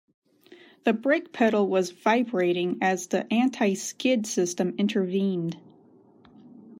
The brake pedal was vibrating as the anti-skid system intervened.